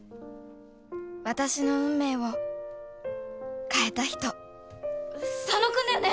私の運命を変えた人佐野君だよね？